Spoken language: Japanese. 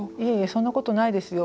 そんなことないですよ。